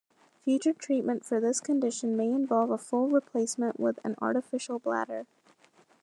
Future treatment for this condition may involve a full replacement with an artificial bladder.